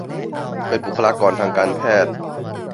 เป็นบุคลากรทางการแพทย์